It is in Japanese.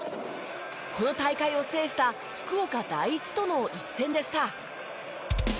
この大会を制した福岡第一との一戦でした。